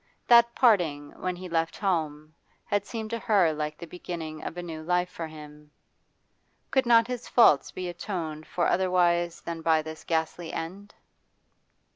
That parting when he left home had seemed to her like the beginning of a new life for him. Could not his faults be atoned for otherwise than by this ghastly end?